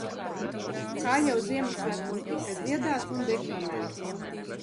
Kā jau Ziemassvētkos tika dziedāts un deklamēts.